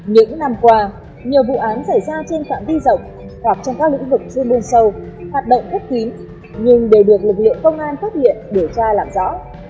những năm qua nhiều vụ án xảy ra trên phạm vi rộng hoặc trong các lĩnh vực chuyên môn sâu hoạt động khép kín nhưng đều được lực lượng công an phát hiện điều tra làm rõ